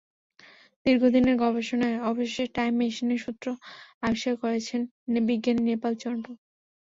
দীর্ঘদিনের গবেষণায় অবশেষে টাইম মেশিনের সূত্র আবিষ্কার করেছেন বিজ্ঞানী নেপাল চন্দ্র।